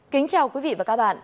kính chào quý vị và các bạn